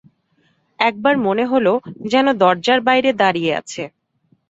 একবার মনে হল, যেন দরজার বাইরে দাঁড়িয়ে আছে।